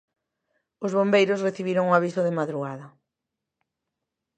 Os bombeiros recibiron o aviso de madrugada.